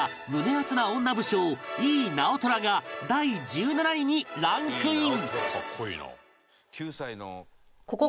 アツな女武将井伊直虎が第１７位にランクイン